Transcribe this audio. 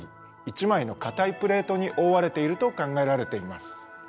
プレートにおおわれていると考えられています。